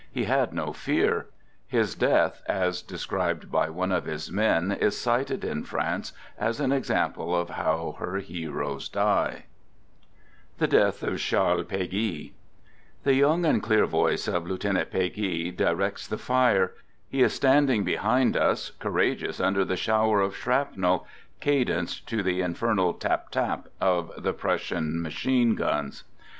He had no fear. His death, a« described by one of his men, is cited in France as an example of how her heroes die: (The Death of Charles Peguy) The young and clear voice of Lieutenant Peguy directs the fire; he is standing behind us, courageous 127 Digitized by 128 "THE GOOD SOLDIER under the shower of shrapnel, cadenced to the in fernal tap tap of the Prussian machine guns.